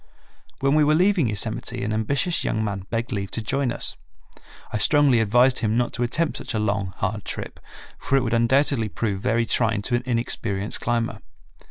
When we were leaving Yosemite an ambitious young man begged leave to join us. I strongly advised him not to attempt such a long, hard trip, for it would undoubtedly prove very trying to an inexperienced climber.